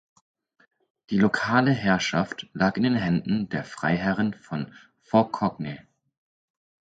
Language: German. Die lokale Herrschaft lag in den Händen der Freiherren von Faucogney.